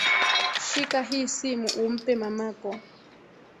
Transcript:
Shika hii simu umpe mamako